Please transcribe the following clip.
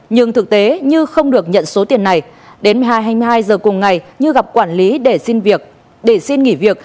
nhưng thực tế như không được nhận số tiền này đến một mươi hai h hai mươi hai h cùng ngày như gặp quản lý để xin nghỉ việc